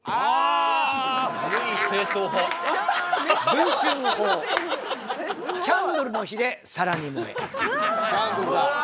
「文春砲キャンドルの火で更に燃え」